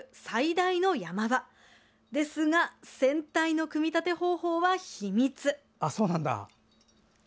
最大の山場ですが船体の組み立て方法は秘密。